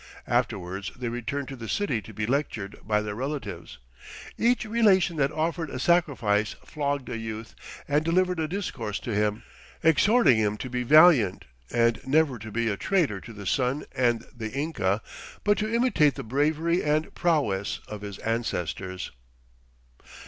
Afterwards they returned to the city to be lectured by their relatives. "Each relation that offered a sacrifice flogged a youth and delivered a discourse to him, exhorting him to be valiant and never to be a traitor to the Sun and the Inca, but to imitate the bravery and prowess of his ancestors."